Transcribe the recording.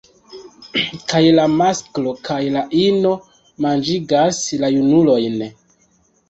Kaj la masklo kaj la ino manĝigas la junulojn.